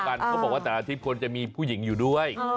เขาบอกว่าแต่ละอาทิตย์ควรจะมีผู้หญิงอยู่ด้วย